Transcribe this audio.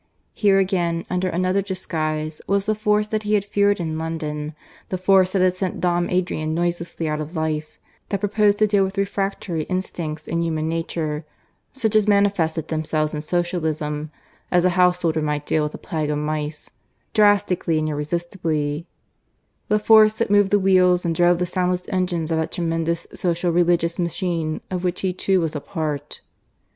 Here again, under another disguise, was the force that he had feared in London the force that had sent Dom Adrian noiselessly out of life, that proposed to deal with refractory instincts in human nature such as manifested themselves in Socialism as a householder might deal with a plague of mice, drastically and irresistibly; the force that moved the wheels and drove the soundless engines of that tremendous social religious machine of which he too was a part.